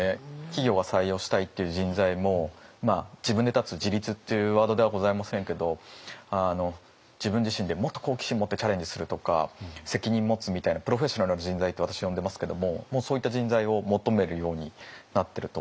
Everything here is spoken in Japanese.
企業が採用したいっていう人材も自分で立つ自立っていうワードではございませんけど自分自身でもっと好奇心持ってチャレンジするとか責任持つみたいなプロフェッショナルな人材って私は呼んでますけどもそういった人材を求めるようになってると思います。